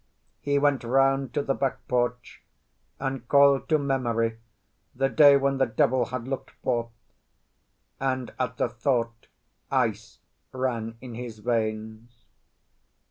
He went round to the back porch, and called to memory the day when the devil had looked forth; and at the thought ice ran in his veins.